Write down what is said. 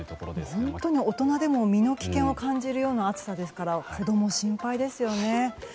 本当に大人でも身の危険を感じるような暑さですから子供、心配ですよね。